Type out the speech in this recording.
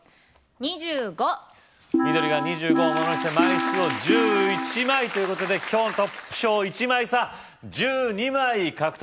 ２５緑が２５をものにして枚数を１１枚ということで今日のトップ賞１枚差１２枚獲得